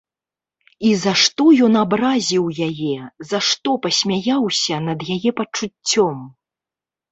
І за што ён абразіў яе, за што пасмяяўся над яе пачуццём?